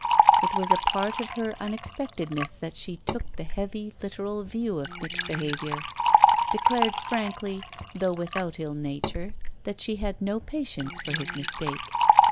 It was a part of her unexpectedness that she took the heavy literal view of Nick's behaviour; declared frankly, though without ill nature, that she had no patience with his mistake.